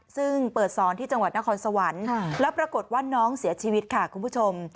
ซึ่งเปิดสอนที่จังหวัดนครสวรรค์แล้วปรากฏว่าน้องเสียชีวิตค่ะคุณผู้ชม